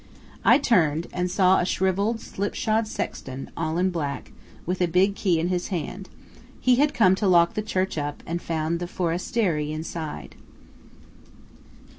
I turned, and saw a shrivelled slipshod sexton, all in black, with a big key in his hand. He had come to lock the church up, and found the forestieri inside.